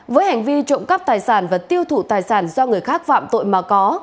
với hành vi trộm cắp tài sản và tiêu thụ tài sản do người khác phạm tội mà có